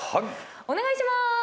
お願いします！